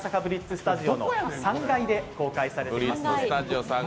スタジオの３階で公開されています。